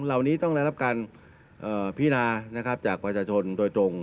เหล่านี้ต้องได้รับการพินานะครับจากประชาชนโดยตรง